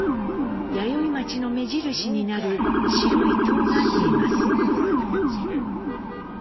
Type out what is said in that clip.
弥生町の目印になる白い塔が見えます。